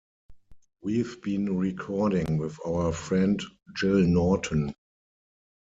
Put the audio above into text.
We've been recording with our friend Gil Norton.